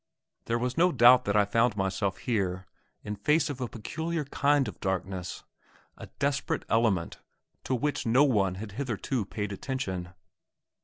There was no doubt that I found myself here, in face of a peculiar kind of darkness; a desperate element to which no one had hitherto paid attention.